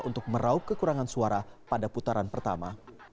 untuk meraup kekurangan suara pada putaran pertama